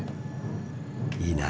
いいなあ。